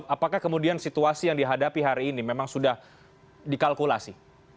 apakah kemudian situasi yang dihadapi hari ini memang sudah dikalkulasi